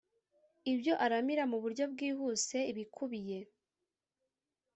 ibyo aramira mu buryo bwihuse ibikubiye